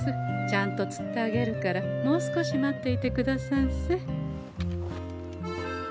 ちゃんと釣ってあげるからもう少し待っていてくださんせ。